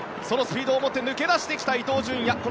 そのスピードをもって抜け出した伊東純也。